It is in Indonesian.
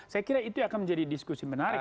saya kira itu akan menjadi diskusi menarik